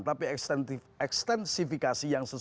tapi ekstensifikasi yang sesuai